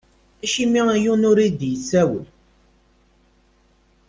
Acimi yiwen ur iyi-d-isawel?